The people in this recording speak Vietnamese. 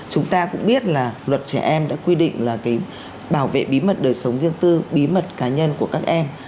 chúng ta cũng biết là luật trẻ em đã quy định là bảo vệ bí mật đời sống riêng tư bí mật cá nhân của các em